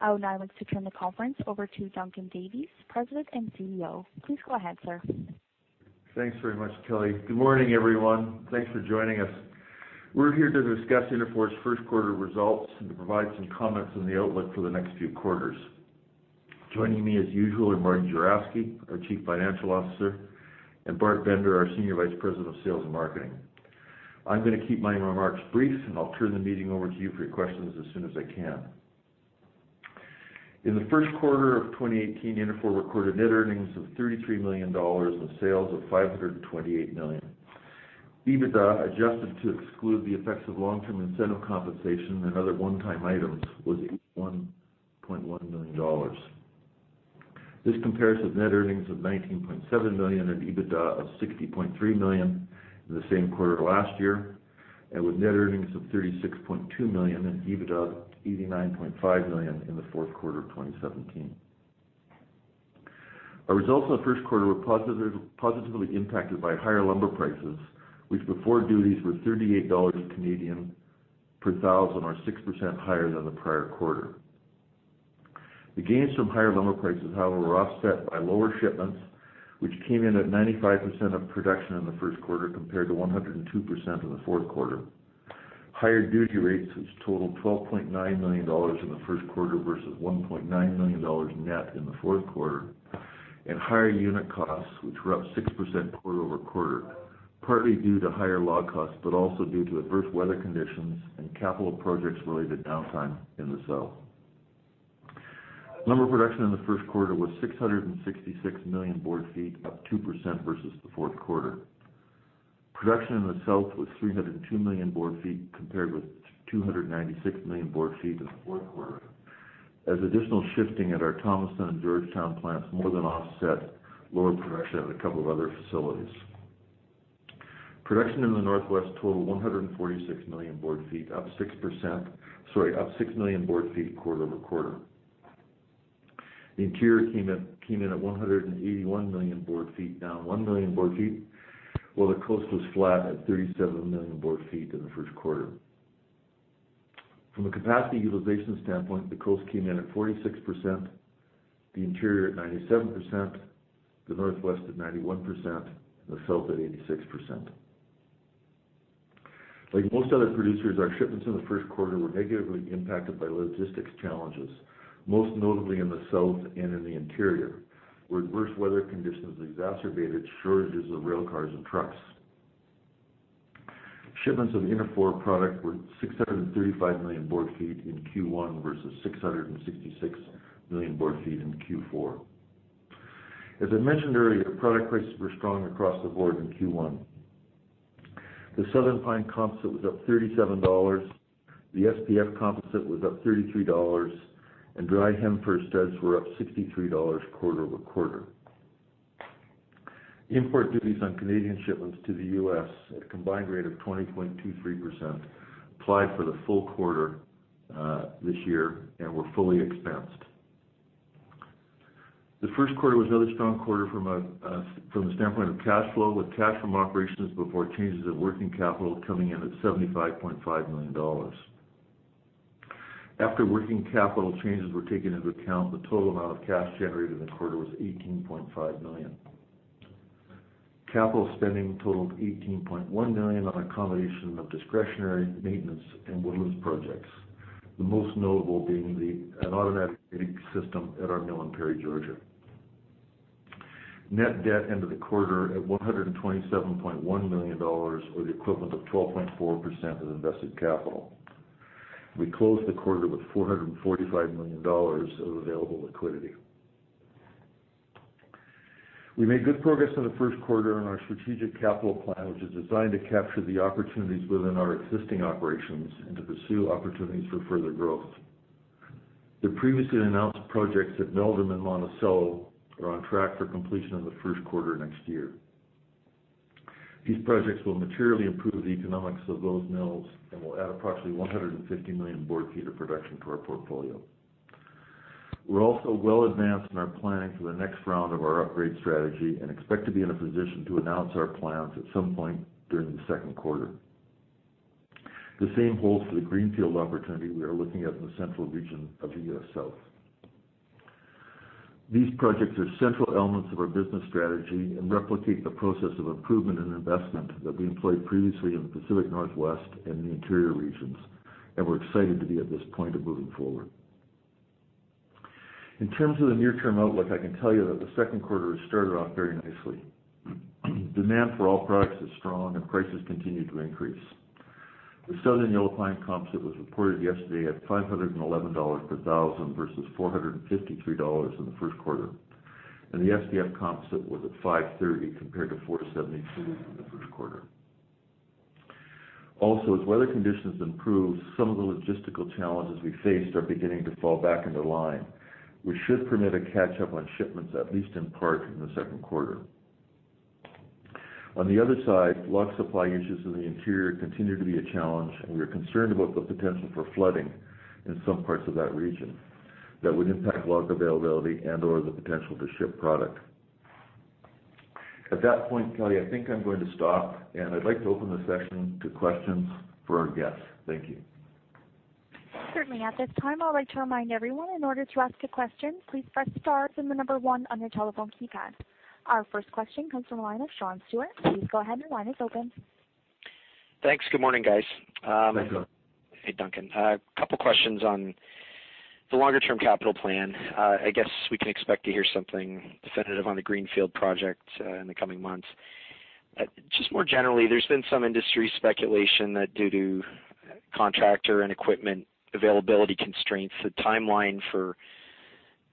I would now like to turn the conference over to Duncan Davies, President and CEO. Please go ahead, sir. Thanks very much, Kelly. Good morning, everyone. Thanks for joining us. We're here to discuss Interfor's first quarter results and to provide some comments on the outlook for the next few quarters. Joining me, as usual, are Martin Juravsky, our Chief Financial Officer, and Bart Bender, our Senior Vice President of Sales and Marketing. I'm gonna keep my remarks brief, and I'll turn the meeting over to you for your questions as soon as I can. In the first quarter of 2018, Interfor recorded net earnings of 33 million dollars on sales of 528 million. EBITDA, adjusted to exclude the effects of long-term incentive compensation and other one-time items, was 81.1 million dollars. This compares with net earnings of 19.7 million and EBITDA of 60.3 million in the same quarter last year, and with net earnings of 36.2 million and EBITDA of 89.5 million in the fourth quarter of 2017. Our results in the first quarter were positively impacted by higher lumber prices, which before duties were 38 Canadian dollars per thousand, or 6% higher than the prior quarter. The gains from higher lumber prices, however, were offset by lower shipments, which came in at 95% of production in the first quarter, compared to 102% in the fourth quarter. Higher duty rates, which totaled 12.9 million dollars in the first quarter versus 1.9 million dollars net in the fourth quarter, and higher unit costs, which were up 6% quarter-over-quarter, partly due to higher log costs, but also due to adverse weather conditions and capital projects-related downtime in the South. Lumber production in the first quarter was 666 million board feet, up 2% versus the fourth quarter. Production in the South was 302 million board feet, compared with 296 million board feet in the fourth quarter, as additional shifting at our Thomaston and Georgetown plants more than offset lower production at a couple of other facilities. Production in the Northwest totaled 146 million board feet, up 6%—sorry, up 6 million board feet quarter-over-quarter. The Interior came in at 181 million board feet, down 1 million board feet, while the Coast was flat at 37 million board feet in the first quarter. From a capacity utilization standpoint, the Coast came in at 46%, the Interior at 97%, the Northwest at 91%, and the South at 86%. Like most other producers, our shipments in the first quarter were negatively impacted by logistics challenges, most notably in the South and in the Interior, where adverse weather conditions exacerbated shortages of rail cars and trucks. Shipments of Interfor product were 635 million board feet in Q1 versus 666 million board feet in Q4. As I mentioned earlier, product prices were strong across the board in Q1. The Southern Pine Composite was up $37, the SPF Composite was up $33, and dry Hem-Fir studs were up $63 quarter over quarter. Import duties on Canadian shipments to the US at a combined rate of 20.23% applied for the full quarter, this year and were fully expensed. The first quarter was another strong quarter from the standpoint of cash flow, with cash from operations before changes in working capital coming in at 75.5 million dollars. After working capital changes were taken into account, the total amount of cash generated in the quarter was 18.5 million. Capital spending totaled 18.1 million on a combination of discretionary, maintenance, and woodlands projects, the most notable being an automatic grading system at our mill in Perry, Georgia. Net debt ended the quarter at 127.1 million dollars, or the equivalent of 12.4% of invested capital. We closed the quarter with 445 million dollars of available liquidity. We made good progress in the first quarter on our strategic capital plan, which is designed to capture the opportunities within our existing operations and to pursue opportunities for further growth. The previously announced projects at Meldrim and Monticello are on track for completion in the first quarter next year. These projects will materially improve the economics of those mills and will add approximately 150 million board feet of production to our portfolio. We're also well advanced in our planning for the next round of our upgrade strategy and expect to be in a position to announce our plans at some point during the second quarter. The same holds for the greenfield opportunity we are looking at in the central region of the US South. These projects are central elements of our business strategy and replicate the process of improvement and investment that we employed previously in the Pacific Northwest and the Interior regions, and we're excited to be at this point of moving forward. In terms of the near-term outlook, I can tell you that the second quarter has started off very nicely. Demand for all products is strong, and prices continue to increase. The Southern Yellow Pine Composite was reported yesterday at $511 per thousand versus $453 in the first quarter, and the SPF Composite was at $530 compared to $472 in the first quarter. Also, as weather conditions improve, some of the logistical challenges we faced are beginning to fall back into line, which should permit a catch-up on shipments, at least in part, in the second quarter. On the other side, log supply issues in the Interior continue to be a challenge, and we are concerned about the potential for flooding in some parts of that region that would impact log availability and/or the potential to ship product. At that point, Kelly, I think I'm going to stop, and I'd like to open the session to questions for our guests. Thank you. Certainly. At this time, I'd like to remind everyone, in order to ask a question, please press star then the number one on your telephone keypad. Our first question comes from the line of Sean Steuart. Please go ahead, your line is open. Thanks. Good morning, guys. Good morning. Hey, Duncan. A couple questions on the longer-term capital plan. I guess we can expect to hear something definitive on the greenfield project in the coming months. Just more generally, there's been some industry speculation that due to contractor and equipment availability constraints, the timeline for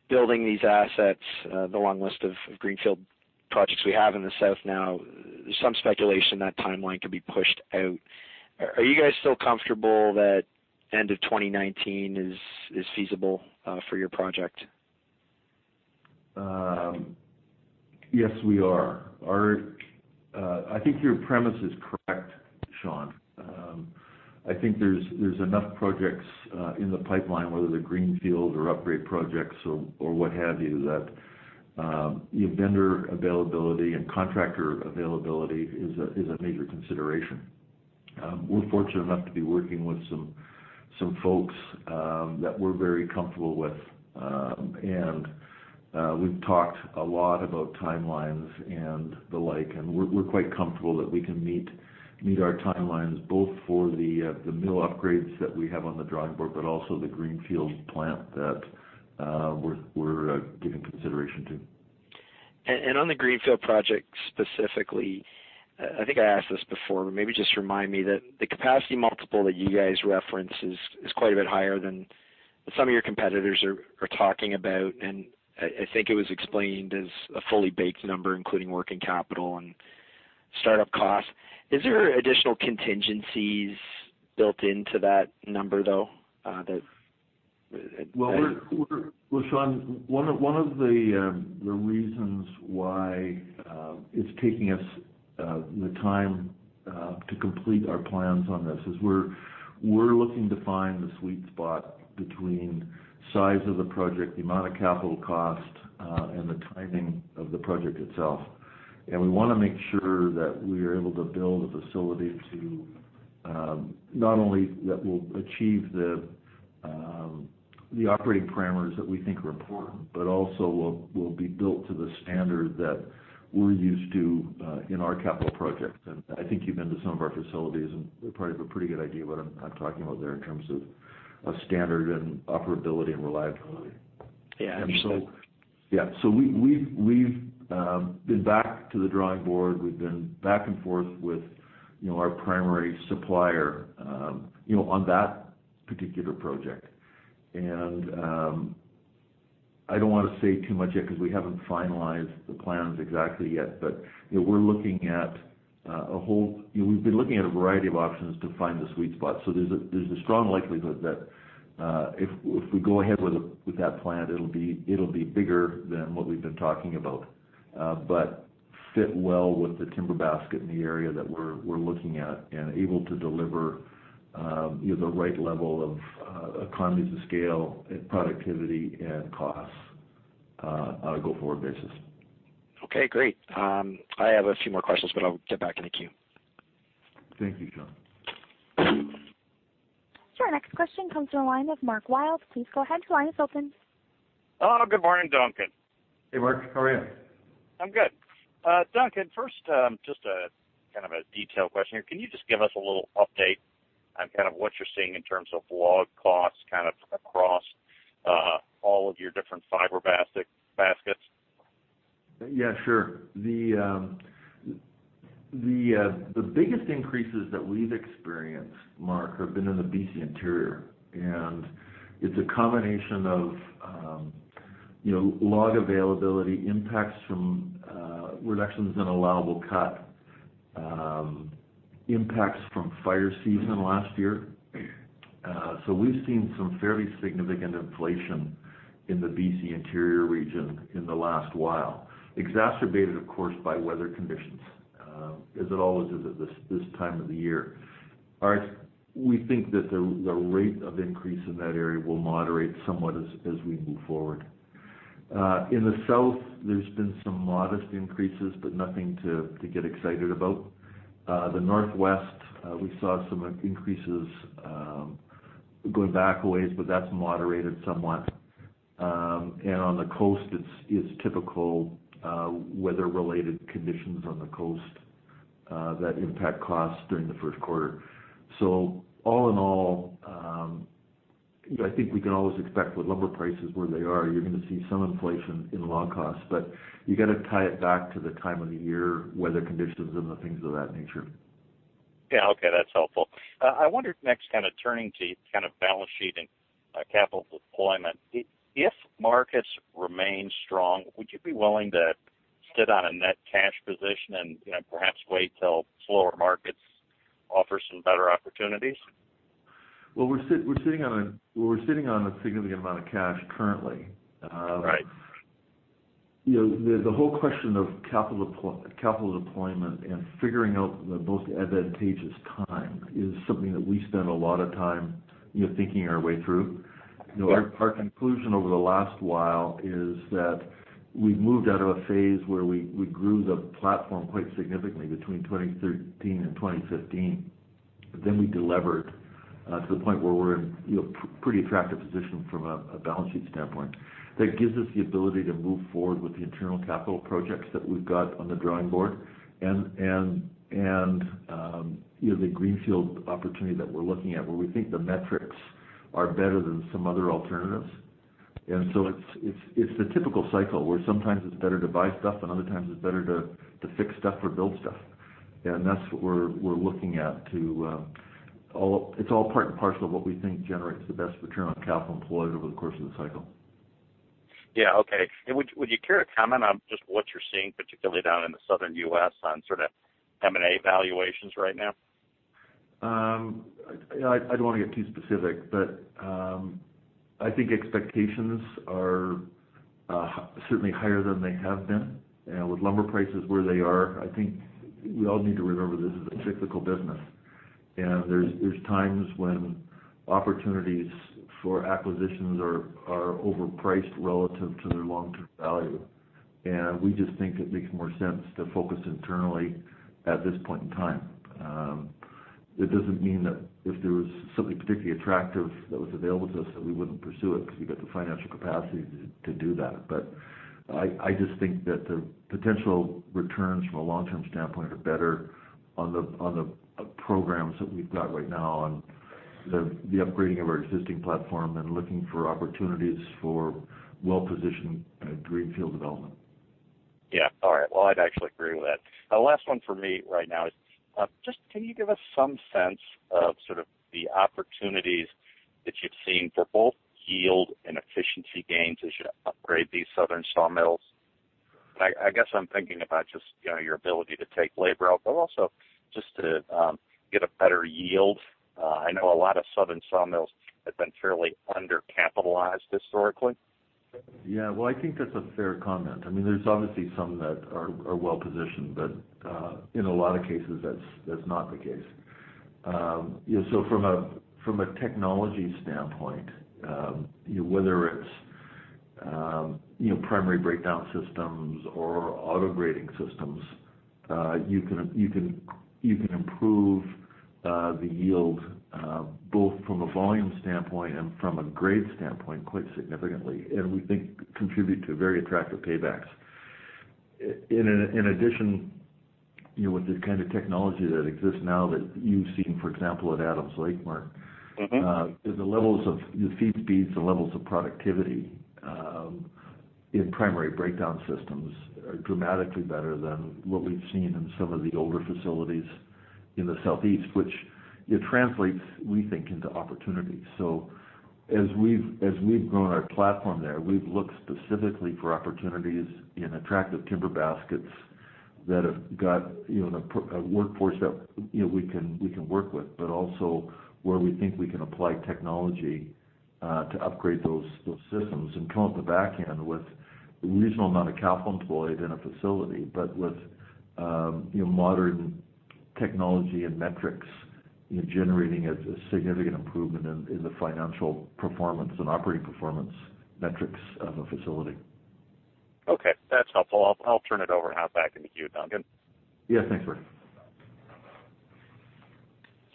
building these assets, the long list of greenfield projects we have in the South now, there's some speculation that timeline could be pushed out. Are you guys still comfortable that end of 2019 is feasible for your project? Yes, we are. I think your premise is correct, Sean. I think there's enough projects in the pipeline, whether they're greenfield or upgrade projects or what have you, that you know, vendor availability and contractor availability is a major consideration. We're fortunate enough to be working with some folks that we're very comfortable with. We've talked a lot about timelines and the like, and we're quite comfortable that we can meet our timelines, both for the mill upgrades that we have on the drawing board, but also the greenfield plant that we're giving consideration to. On the greenfield project specifically, I think I asked this before, but maybe just remind me that the capacity multiple that you guys reference is quite a bit higher than some of your competitors are talking about, and I think it was explained as a fully baked number, including working capital and startup costs. Is there additional contingencies built into that number, though, that. Well, Sean, one of the reasons why it's taking us the time to complete our plans on this is we're looking to find the sweet spot between size of the project, the amount of capital cost, and the timing of the project itself. And we wanna make sure that we are able to build a facility to not only that will achieve the operating parameters that we think are important, but also will be built to the standard that we're used to in our capital projects. And I think you've been to some of our facilities, and you probably have a pretty good idea what I'm talking about there in terms of standard and operability and reliability. Yeah, understood. Yeah. So we've been back to the drawing board. We've been back and forth with, you know, our primary supplier, you know, on that particular project. And I don't wanna say too much yet because we haven't finalized the plans exactly yet. But, you know, we're looking at a whole—we've been looking at a variety of options to find the sweet spot. So there's a strong likelihood that, if we go ahead with that plan, it'll be bigger than what we've been talking about, but fit well with the timber basket in the area that we're looking at, and able to deliver, you know, the right level of economies of scale and productivity and costs, on a go-forward basis. Okay, great. I have a few more questions, but I'll get back in the queue. Thank you, Sean. Sure. Next question comes from the line of Mark Wilde. Please go ahead, your line is open. Hello, good morning, Duncan. Hey, Mark, how are you? I'm good. Duncan, first, just a kind of a detailed question here. Can you just give us a little update on kind of what you're seeing in terms of log costs, kind of across all of your different fiber baskets? Yeah, sure. The biggest increases that we've experienced, Mark, have been in the BC Interior, and it's a combination of, you know, log availability, impacts from reductions in allowable cut, impacts from fire season last year. So we've seen some fairly significant inflation in the BC Interior region in the last while, exacerbated, of course, by weather conditions, as it always is at this time of the year. We think that the rate of increase in that area will moderate somewhat as we move forward. In the South, there's been some modest increases, but nothing to get excited about. The Northwest, we saw some increases, going back a ways, but that's moderated somewhat. And on the coast, it's typical weather-related conditions on the coast that impact costs during the first quarter. So all in all, I think we can always expect with lumber prices where they are, you're gonna see some inflation in log costs, but you got to tie it back to the time of the year, weather conditions, and the things of that nature. Yeah, okay, that's helpful. I wonder next, kind of turning to kind of balance sheet and, capital deployment. If, if markets remain strong, would you be willing to sit on a net cash position and, you know, perhaps wait till slower markets offer some better opportunities? Well, we're sitting on a significant amount of cash currently. Right. You know, the whole question of capital deployment and figuring out the most advantageous time is something that we spend a lot of time, you know, thinking our way through. You know, our conclusion over the last while is that we've moved out of a phase where we grew the platform quite significantly between 2013 and 2015. But then we delevered to the point where we're in, you know, pretty attractive position from a balance sheet standpoint. That gives us the ability to move forward with the internal capital projects that we've got on the drawing board. And you know, the greenfield opportunity that we're looking at, where we think the metrics are better than some other alternatives. And so it's the typical cycle, where sometimes it's better to buy stuff, and other times it's better to fix stuff or build stuff. And that's what we're looking at too. It's all part and parcel of what we think generates the best return on capital employed over the course of the cycle. Yeah. Okay. And would you care to comment on just what you're seeing, particularly down in the Southern US, on sort of M&A valuations right now? I don't want to get too specific, but I think expectations are certainly higher than they have been. And with lumber prices where they are, I think we all need to remember this is a cyclical business, and there's times when opportunities for acquisitions are overpriced relative to their long-term value. And we just think it makes more sense to focus internally at this point in time. It doesn't mean that if there was something particularly attractive that was available to us, that we wouldn't pursue it, because we've got the financial capacity to do that. But I just think that the potential returns from a long-term standpoint are better on the programs that we've got right now, on the upgrading of our existing platform and looking for opportunities for well-positioned greenfield development. Yeah. All right. Well, I'd actually agree with that. The last one for me right now is just can you give us some sense of sort of the opportunities that you've seen for both yield and efficiency gains as you upgrade these southern sawmills? I guess I'm thinking about just, you know, your ability to take labor out, but also just to get a better yield. I know a lot of southern sawmills have been fairly undercapitalized historically. Yeah. Well, I think that's a fair comment. I mean, there's obviously some that are, are well positioned, but in a lot of cases, that's, that's not the case. Yeah, so from a, from a technology standpoint, whether it's, you know, primary breakdown systems or auto-grading systems, you can, you can, you can improve the yield both from a volume standpoint and from a grade standpoint, quite significantly, and we think contribute to very attractive paybacks. In addition, you know, with the kind of technology that exists now that you've seen, for example, at Adams Lake, Mark- Mm-hmm. The levels of the feed speeds, the levels of productivity in primary breakdown systems are dramatically better than what we've seen in some of the older facilities in the Southeast, which it translates, we think, into opportunities. So as we've, as we've grown our platform there, we've looked specifically for opportunities in attractive timber baskets that have got, you know, a workforce that, you know, we can, we can work with, but also where we think we can apply technology to upgrade those, those systems. And come out the back end with a reasonable amount of capital employed in a facility, but with, you know, modern technology and metrics, you know, generating a significant improvement in the financial performance and operating performance metrics of a facility. Okay. That's helpful. I'll, I'll turn it over now back in the queue, Duncan. Yeah, thanks, Rick.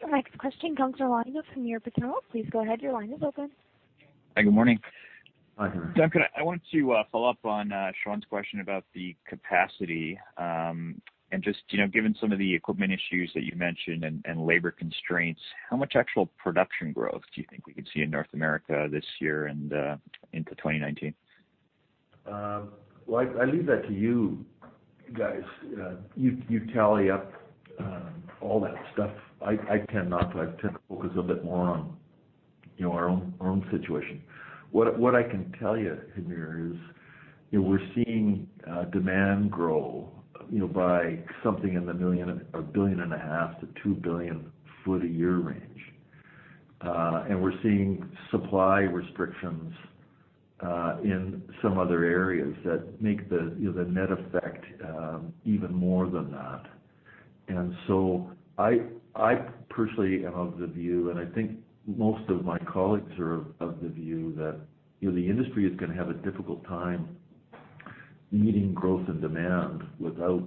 Your next question comes from Hamir Patel from CIBC Capital Markets. Please go ahead, your line is open. Hi, good morning. Hi, Hamir. Duncan, I want to follow up on Sean's question about the capacity. And just, you know, given some of the equipment issues that you mentioned and labor constraints, how much actual production growth do you think we could see in North America this year and into 2019? Well, I leave that to you guys. You tally up all that stuff. I tend not to. I tend to focus a bit more on, you know, our own situation. What I can tell you, Amir, is, you know, we're seeing demand grow, you know, by something in the 1.5 billion-2 billion foot a year range. And we're seeing supply restrictions in some other areas that make, you know, the net effect even more than that. And so I personally am of the view, and I think most of my colleagues are of the view, that, you know, the industry is gonna have a difficult time meeting growth and demand without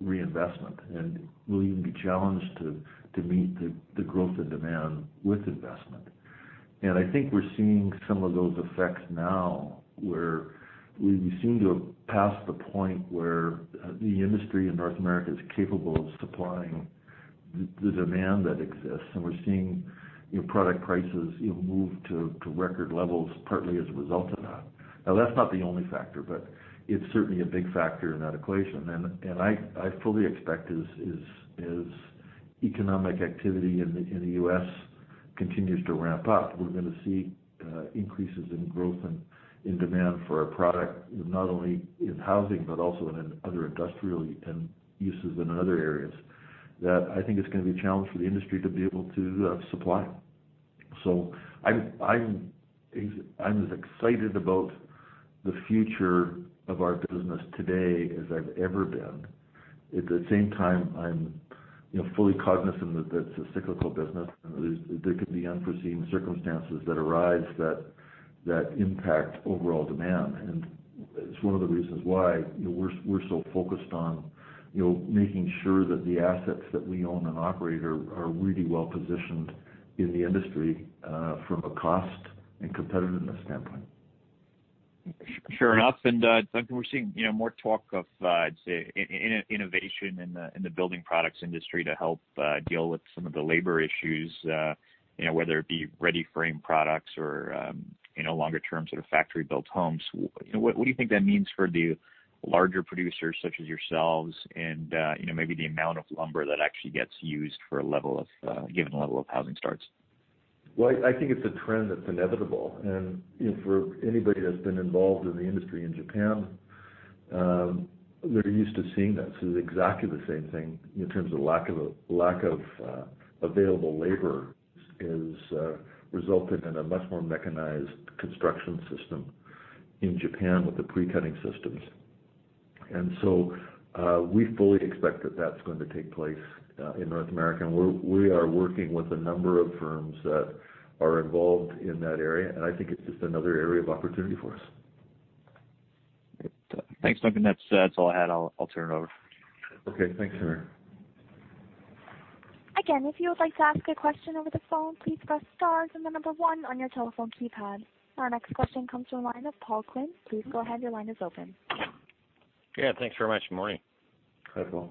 reinvestment, and we'll even be challenged to meet the growth and demand with investment. And I think we're seeing some of those effects now, where we seem to have passed the point where the industry in North America is capable of supplying the demand that exists. And we're seeing, you know, product prices, you know, move to record levels, partly as a result of that. Now, that's not the only factor, but it's certainly a big factor in that equation. And I fully expect as economic activity in the U.S. continues to ramp up, we're gonna see increases in growth and in demand for our product, not only in housing, but also in other industrial and uses in other areas, that I think it's gonna be a challenge for the industry to be able to supply. So I'm as excited about the future of our business today as I've ever been. At the same time, I'm, you know, fully cognizant that that's a cyclical business, and there could be unforeseen circumstances that arise that impact overall demand. And it's one of the reasons why, you know, we're so focused on, you know, making sure that the assets that we own and operate are really well positioned in the industry from a cost and competitiveness standpoint. Sure enough, and, Duncan, we're seeing, you know, more talk of, I'd say, innovation in the building products industry to help deal with some of the labor issues, you know, whether it be Ready-Frame products or, you know, longer term, sort of, factory-built homes. What do you think that means for the larger producers, such as yourselves, and, you know, maybe the amount of lumber that actually gets used for a level of, given the level of housing starts? Well, I think it's a trend that's inevitable. And, you know, for anybody that's been involved in the industry in Japan, they're used to seeing this. This is exactly the same thing in terms of lack of available labor has resulted in a much more mechanized construction system in Japan with the pre-cutting systems. And so, we fully expect that that's going to take place in North America. And we are working with a number of firms that are involved in that area, and I think it's just another area of opportunity for us. Thanks, Duncan. That's all I had. I'll turn it over. Okay, thanks, Hamir. Again, if you would like to ask a question over the phone, please press star and the number 1 on your telephone keypad. Our next question comes from the line of Paul Quinn. Please go ahead, your line is open. Yeah, thanks very much. Morning. Hi, Paul.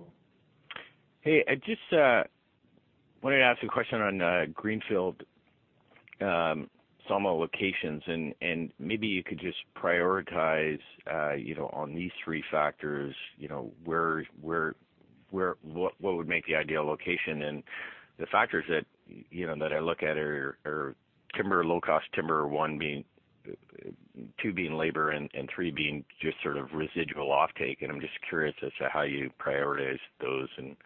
Hey, I just wanted to ask a question on greenfield sawmill locations, and maybe you could just prioritize, you know, on these three factors, you know, where, what would make the ideal location? And the factors that, you know, that I look at are timber, low-cost timber, one being... Two being labor, and three being just sort of residual offtake. And I'm just curious as to how you prioritize those and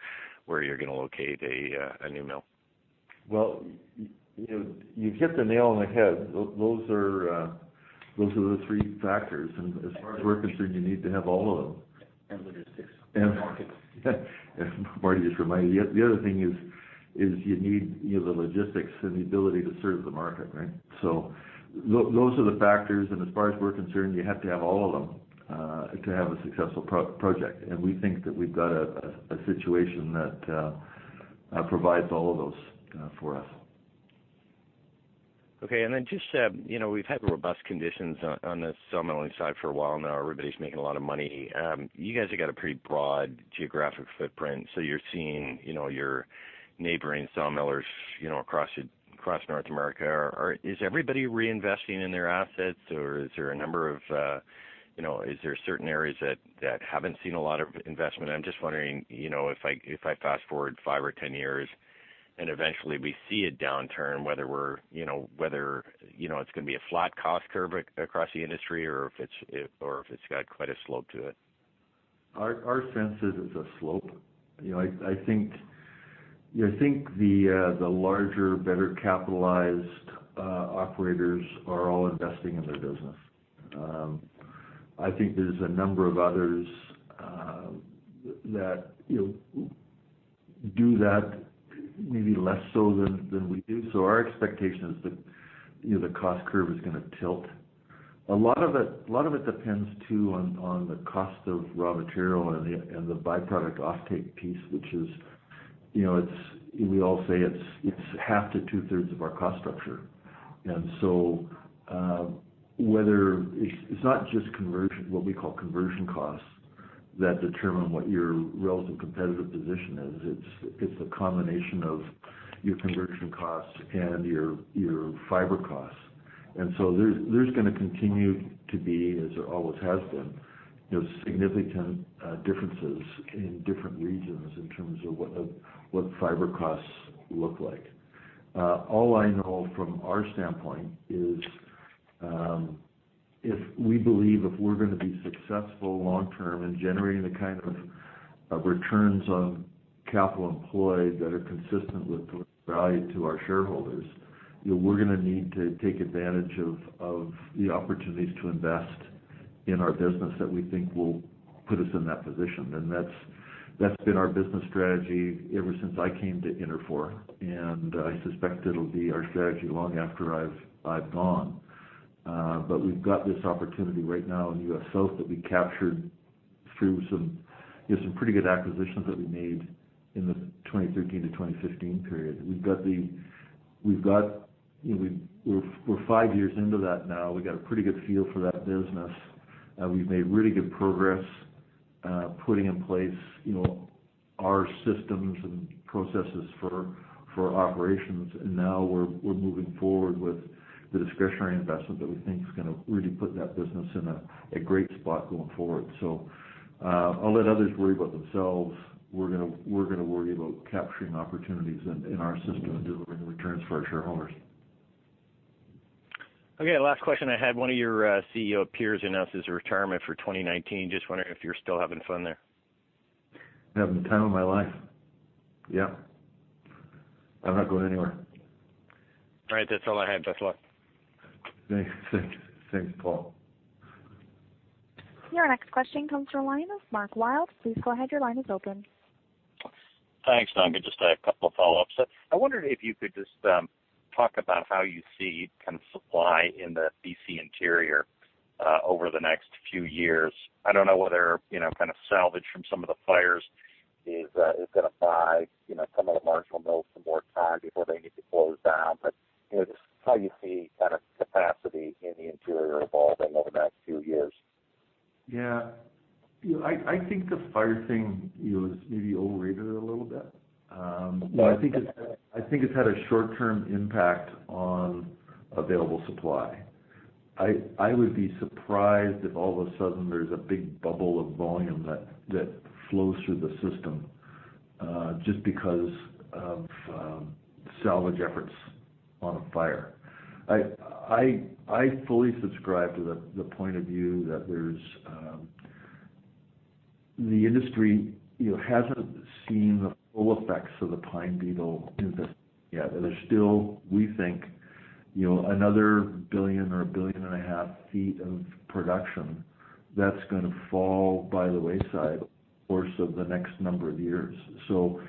where you're gonna locate a new mill. Well, you know, you've hit the nail on the head. Those are, those are the three factors, and as far as we're concerned, you need to have all of them. Logistics and markets. Marty just reminded me. The other thing is you need, you know, the logistics and the ability to serve the market, right? So those are the factors, and as far as we're concerned, you have to have all of them to have a successful project. And we think that we've got a situation that provides all of those for us. Okay. And then just, you know, we've had robust conditions on the sawmilling side for a while now. Everybody's making a lot of money. You guys have got a pretty broad geographic footprint, so you're seeing, you know, your neighboring sawmillers, you know, across North America. Is everybody reinvesting in their assets, or is there a number of, you know, certain areas that haven't seen a lot of investment? I'm just wondering, you know, if I fast forward five or 10 years, and eventually we see a downturn, whether we're, you know, whether, you know, it's gonna be a flat cost curve across the industry or if it's, or if it's got quite a slope to it. Our sense is a slope. You know, I think the larger, better capitalized operators are all investing in their business. I think there's a number of others that, you know, do that maybe less so than we do. So our expectation is that, you know, the cost curve is gonna tilt. A lot of it depends, too, on the cost of raw material and the byproduct offtake piece, which is, you know, we all say it's half to two-thirds of our cost structure. And so, whether... It's not just conversion, what we call conversion costs, that determine what your relative competitive position is. It's a combination of your conversion costs and your fiber costs. So there's gonna continue to be, as there always has been, you know, significant differences in different regions in terms of what fiber costs look like. All I know from our standpoint is, if we're gonna be successful long term in generating the kind of returns on capital employed that are consistent with value to our shareholders, you know, we're gonna need to take advantage of the opportunities to invest in our business that we think will put us in that position. And that's been our business strategy ever since I came to Interfor, and I suspect it'll be our strategy long after I've gone. But we've got this opportunity right now in U.S. South that we captured through some, you know, some pretty good acquisitions that we made in the 2013-2015 period. We've got, you know, we're, we're five years into that now. We've got a pretty good feel for that business, and we've made really good progress putting in place, you know, our systems and processes for operations. And now we're, we're moving forward with the discretionary investment that we think is gonna really put that business in a great spot going forward. So, I'll let others worry about themselves. We're gonna, we're gonna worry about capturing opportunities in our system and delivering returns for our shareholders. Okay, last question I had. One of your CEO peers announced his retirement for 2019. Just wondering if you're still having fun there? Having the time of my life. Yeah.... I'm not going anywhere. All right, that's all I have. That's all. Thanks. Thanks, Paul. Your next question comes from the line of Mark Wilde. Please go ahead. Your line is open. Thanks, Duncan. Just a couple of follow-ups. I wondered if you could just talk about how you see kind of supply in the BC Interior over the next few years. I don't know whether, you know, kind of salvage from some of the fires is gonna buy, you know, some of the marginal mills some more time before they need to close down. But, you know, just how you see kind of capacity in the Interior evolving over the next few years? Yeah. You know, I think the fire thing, you know, is maybe overrated a little bit. But I think it's- Yeah. I think it's had a short-term impact on available supply. I would be surprised if all of a sudden there's a big bubble of volume that flows through the system just because of salvage efforts on a fire. I fully subscribe to the point of view that there's the industry, you know, hasn't seen the full effects of the pine beetle in this yet. There's still, we think, you know, another 1 billion or 1.5 billion feet of production that's gonna fall by the wayside over the course of the next number of years. So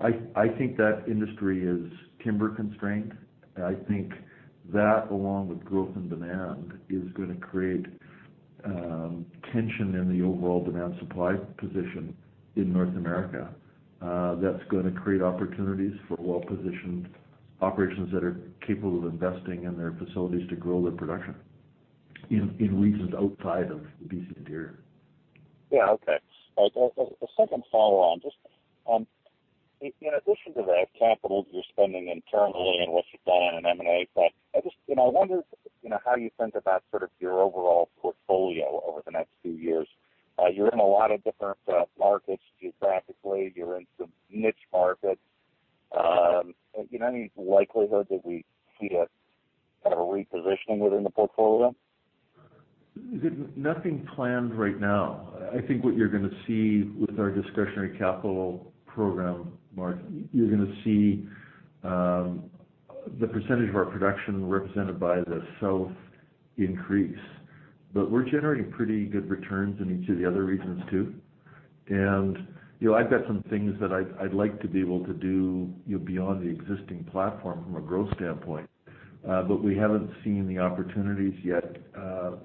I think that industry is timber constrained. I think that, along with growth and demand, is gonna create tension in the overall demand-supply position in North America. That's gonna create opportunities for well-positioned operations that are capable of investing in their facilities to grow their production in regions outside of BC Interior. Yeah, okay. A second follow-on. Just in addition to the capital you're spending internally and what you've done in an M&A front, I just, you know, I wonder, you know, how you think about sort of your overall portfolio over the next few years? You're in a lot of different markets geographically. You're in some niche markets. You know, any likelihood that we see a kind of a repositioning within the portfolio? Nothing planned right now. I think what you're gonna see with our discretionary capital program, Mark, you're gonna see the percentage of our production represented by the South increase. But we're generating pretty good returns in each of the other regions, too. And, you know, I've got some things that I'd like to be able to do, you know, beyond the existing platform from a growth standpoint. But we haven't seen the opportunities yet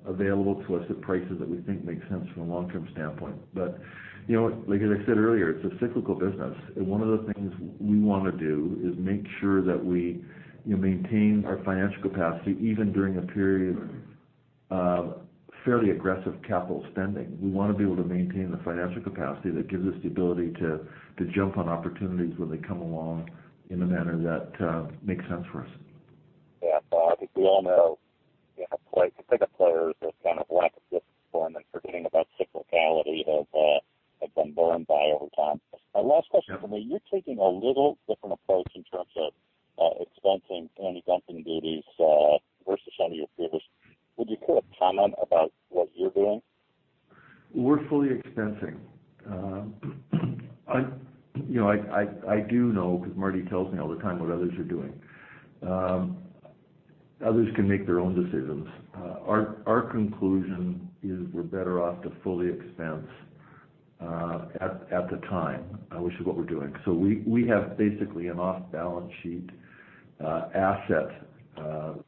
available to us at prices that we think make sense from a long-term standpoint. But, you know, like as I said earlier, it's a cyclical business. And one of the things we want to do is make sure that we, you know, maintain our financial capacity, even during a period of fairly aggressive capital spending. We want to be able to maintain the financial capacity that gives us the ability to jump on opportunities when they come along in a manner that makes sense for us. Yeah. I think we all know, you know, bigger players, this kind of lack of discipline, and forgetting about cyclicality have, have been burned by over time. Last question for me: You're taking a little different approach in terms of expensing any dumping duties versus some of your peers. Would you put a comment about what you're doing? We're fully expensing. You know, I do know, because Marty tells me all the time, what others are doing. Others can make their own decisions. Our conclusion is we're better off to fully expense at the time, which is what we're doing. So we have basically an off-balance sheet asset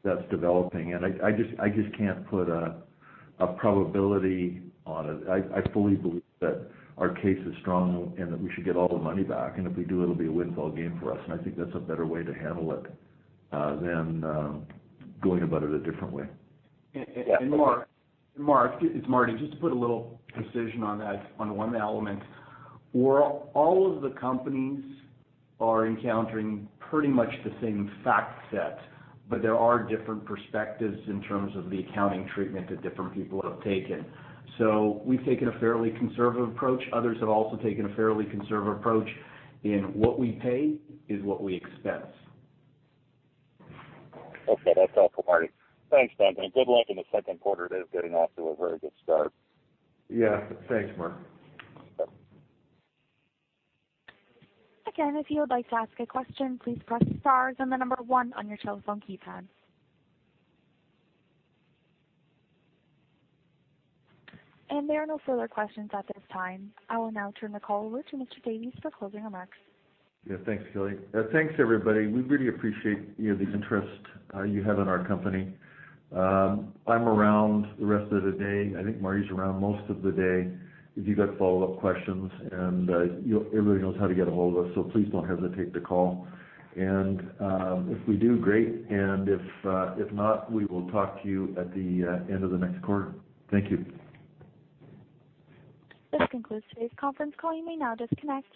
that's developing, and I just can't put a probability on it. I fully believe that our case is strong and that we should get all the money back. And if we do, it'll be a windfall gain for us, and I think that's a better way to handle it than going about it a different way. And Mark, it's Marty. Just to put a little precision on that, on one element. We're all of the companies are encountering pretty much the same fact set, but there are different perspectives in terms of the accounting treatment that different people have taken. So we've taken a fairly conservative approach. Others have also taken a fairly conservative approach in what we pay is what we expense. Okay. That's all for Marty. Thanks, Duncan. Good luck in the second quarter. It is getting off to a very good start. Yeah. Thanks, Mark. Again, if you would like to ask a question, please press star and the number one on your telephone keypad. There are no further questions at this time. I will now turn the call over to Mr. Davies for closing remarks. Yeah. Thanks, Kelly. Thanks, everybody. We really appreciate, you know, the interest you have in our company. I'm around the rest of the day. I think Marty's around most of the day. If you've got follow-up questions and, you know, everybody knows how to get ahold of us, so please don't hesitate to call. And, if we do, great, and if not, we will talk to you at the end of the next quarter. Thank you. This concludes today's conference call. You may now disconnect.